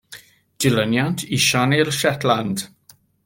Dilyniant i Siani'r Shetland.